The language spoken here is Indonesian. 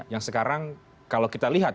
yang sekarang kalau kita lihat